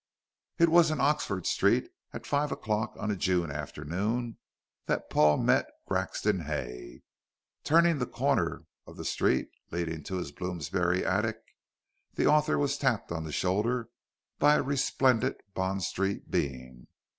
It was in Oxford Street at five o'clock on a June afternoon that Paul met Grexon Hay. Turning the corner of the street leading to his Bloomsbury attic, the author was tapped on the shoulder by a resplendent Bond Street being.